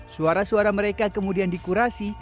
suara suara mereka kemudian dikurasi